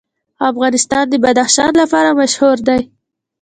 افغانستان د بدخشان لپاره مشهور دی.